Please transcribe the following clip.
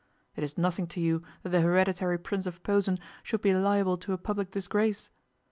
It is nothing to you that the Hereditary Prince of Posen should be liable to a public disgrace.